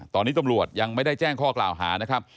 ตอนนี้ตำรวจยังไม่ได้แจ้งข้อกล่าวหานะครับ